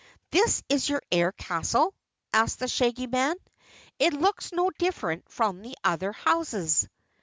"This is your Air Castle?" asked the Shaggy Man. "It looks no different from the other houses."